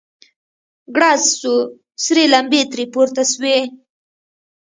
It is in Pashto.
گړز سو سرې لمبې ترې پورته سوې.